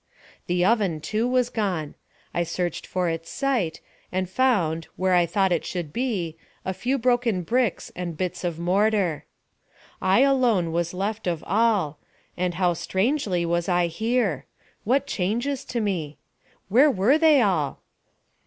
The oven, too, was gone. I searched for its site, and found, where I thought it should be, a few broken bricks and bits of mortar. I alone was left of all, and how strangely was I here! What changes to me! Where were they all?